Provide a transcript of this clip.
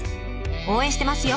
応援してますよ！